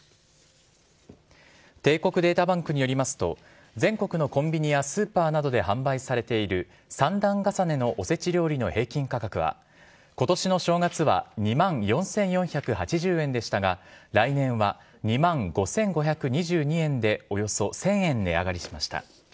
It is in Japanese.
帝国データバンクによりますと全国のコンビニやスーパーなどで販売されている３段重ねのおせち料理の平均価格は今年の正月は２万４４８０円でしたが来年は２万５５２２円でおよそ１０００円値上がりしました。